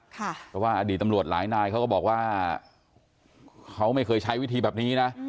เพราะว่าอดีตตำรวจหลายนายเขาก็บอกว่าเขาไม่เคยใช้วิธีแบบนี้นะ